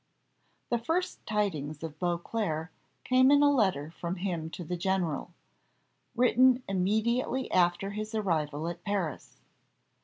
THE first tidings of Beauclerc came in a letter from him to the general, written immediately after his arrival at Paris.